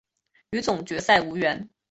与总决赛无缘。